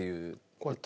こうやって？